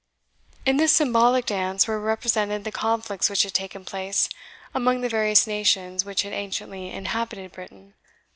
In this symbolical dance were represented the conflicts which had taken place among the various nations which had anciently inhabited Britain.